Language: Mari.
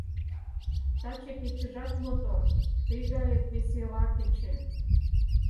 Таче кечыжат мотор, тый гает весела кече.